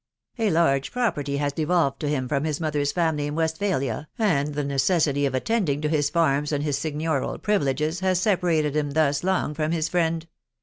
tA large property has devolved to him from his mother's family in Westphalia, and the necessity of attending to his farms and .his signioral privileges, has separated him thus long from his friend.